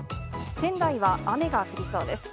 仙台は雨が降りそうです。